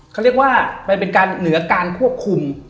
เขาเรียกว่ามันเป็นการเหนือการควบคุม